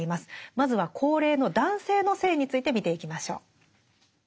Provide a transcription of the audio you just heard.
まずは高齢の男性の性について見ていきましょう。